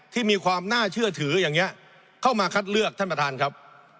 ที่มีความน่าเชื่อถืออย่างนี้เข้ามาคัดเลือกท่านประธานครับ